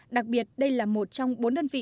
đặc biệt đây là một trong bốn đơn vị của nhà nước